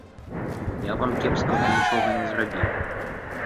Я вам кепскага нічога не зрабіў.